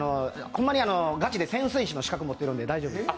ほんまにガチで潜水士の資格、持ってるんで大丈夫です。